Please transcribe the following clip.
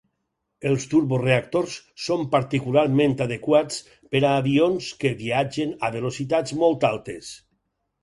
Els turboreactors són particularment adequats per a avions que viatgen a velocitats molt altes.